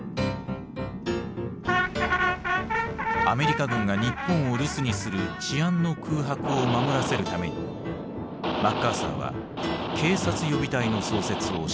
アメリカ軍が日本を留守にする治安の空白を守らせるためにマッカーサーは警察予備隊の創設を指示した。